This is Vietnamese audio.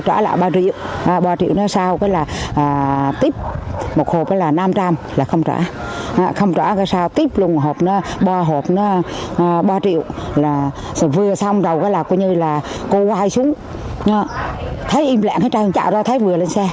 ba triệu là sau cái là tiếp một hộp là năm trăm linh là không trả không trả là sau tiếp luôn một hộp ba triệu là vừa xong rồi là cô quay xuống thấy im lặng chạy ra thấy vừa lên xe